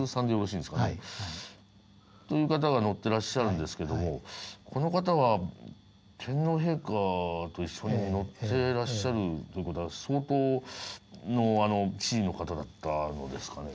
という方が乗ってらっしゃるんですけどもこの方は天皇陛下と一緒に乗ってらっしゃるという事は相当の地位の方だったのですかね？